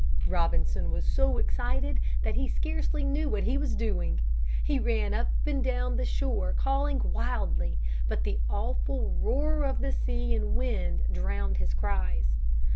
Robinson was so excited that he scarcely knew what he was doing. He ran up and down the shore calling wildly, but the awful roar of the sea and wind drowned his cries.